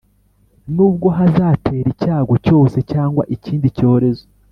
nubwo hazatera icyago cyose cyangwa ikindi cyorezo